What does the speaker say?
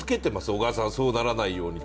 小川さん、そうならないように。